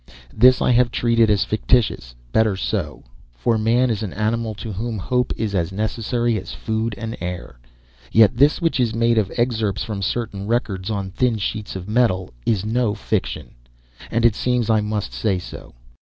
This I have treated as fictitious. Better so for man is an animal to whom hope is as necessary as food and air. Yet this which is made of excerpts from certain records on thin sheets of metal is no fiction, and it seems I must so say.